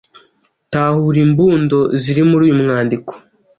Tahura imbundo ziri muri uyu mwandiko.